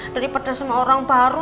daripada sama orang baru